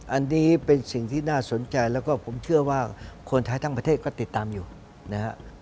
อันนี้เป็นสิ่งที่น่าสนใจแล้วก็ผมเชื่อว่าคนไทยทั้งประเทศก็ติดตามอยู่นะฮะ